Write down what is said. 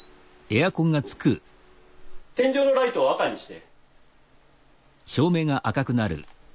天井のライトを赤にして。